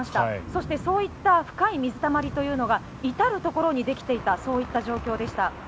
そして、そういった深い水たまりというのが至るところにできていたそういった状況でした。